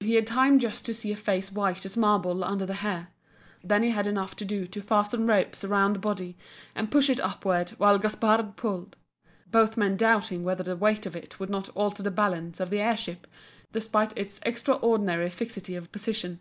He had time just to see a face white as marble under the hair, then he had enough to do to fasten ropes round the body and push it upward while Gaspard pulled both men doubting whether the weight of it would not alter the balance of the air ship despite its extraordinary fixity of position.